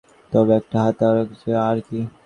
তবে, একটা হাত অকেজো আরকি।